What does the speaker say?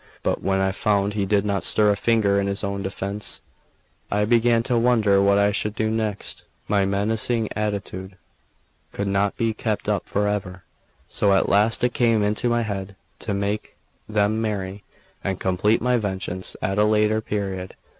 But when I found he did not stir a finger in his own defence, I began to wonder what I should do next; my menacing attitude could not be kept up for ever; so at last it came into my head to make them marry, and complete my vengeance at a later period.